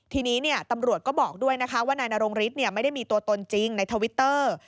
ทีนี้ตำรวจก็บอกด้วยนะคะว่านายนรงฤทธิ์ไม่ได้มีตัวตนจริงในทวิตเตอร์